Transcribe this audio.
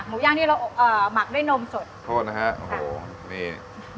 ย่างที่เราเอ่อหมักด้วยนมสดโทษนะฮะโอ้โหนี่